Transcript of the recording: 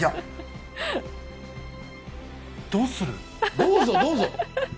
どうする？